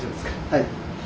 はい。